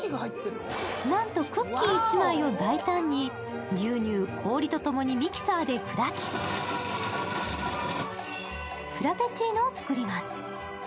なんとクッキー１枚を大胆に牛乳、氷とともにミキサーで砕き、フラペチーノを作ります。